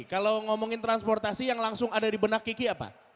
kalau ngomongin transportasi yang langsung ada di benak kiki apa